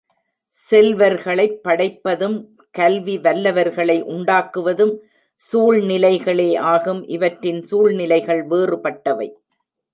செல்வர்களைப் படைப்பதும் கல்வி வல்லவர்களை உண்டாக்குவதும் சூழ்நிலைகளே ஆகும் இவற்றின் சூழ்நிலைகள் வேறுபட்டவை.